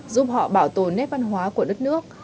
giúp họ bảo tồn nét văn hóa của đất nước